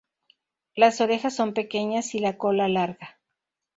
Las orejas son pequeñas y la cola larga.